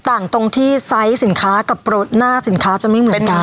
ตรงที่ไซส์สินค้ากับรถหน้าสินค้าจะไม่เหมือนกัน